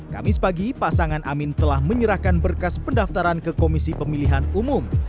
kamis pagi pasangan amin telah menyerahkan berkas pendaftaran ke komisi pemilihan umum